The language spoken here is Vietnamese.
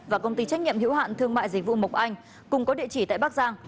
và công ty trách nhiệm hữu hạn thương mại dịch vụ mộc anh cùng có địa chỉ tại bắc giang